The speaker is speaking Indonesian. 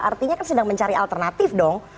artinya kan sedang mencari alternatif dong